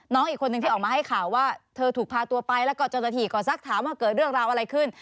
น้องอีกคนนึงที่ออกมาให้ข่าวว่าเธอถูกพาตัวไปแล้วก็เจ้าหน้าที่ก็สักถามว่าเกิดเรื่องราวอะไรขึ้น